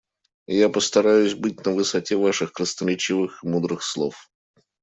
Я постараюсь быть на высоте ваших красноречивых и мудрых слов.